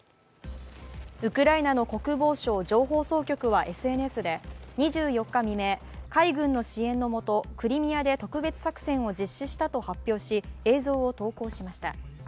ウクライナの国防省情報総局はＳＮＳで２４日未明、海軍の支援のもとクリミアで特別作戦を実施したと発表し映像を公開しました。